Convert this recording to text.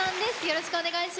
よろしくお願いします。